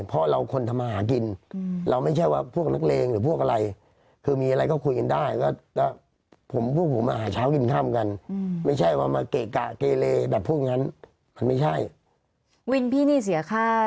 ค่าค่าไหลเดือนด้วยมั้ยคะไม่เสีย